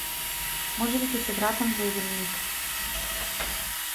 Можеби ќе се вратам во еден миг.